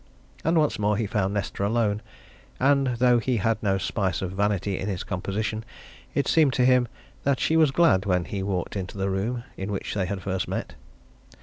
And once more he found Nesta alone, and though he had no spice of vanity in his composition it seemed to him that she was glad when he walked into the room in which they had first met.